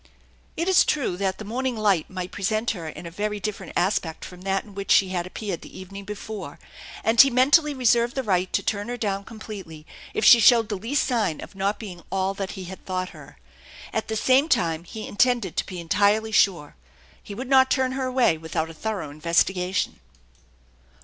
It is true that the morning light might present her in a very different aspect from that in which she had appeared the evening before, and he mentally reserved the right to turn her down completely if she showed the least sign of not being all that he had thought her. At the same time, he intended to be entirely sure. He would not turn her away without a thorough investigation.